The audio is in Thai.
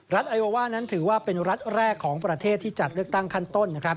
ไอวาว่านั้นถือว่าเป็นรัฐแรกของประเทศที่จัดเลือกตั้งขั้นต้นนะครับ